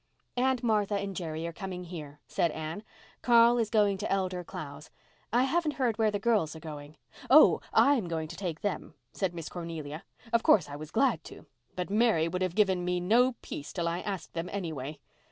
"Aunt Martha and Jerry are coming here," said Anne. "Carl is going to Elder Clow's. I haven't heard where the girls are going." "Oh, I'm going to take them," said Miss Cornelia. "Of course, I was glad to, but Mary would have given me no peace till I asked them any way.